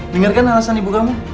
dengarkan alasan ibu kamu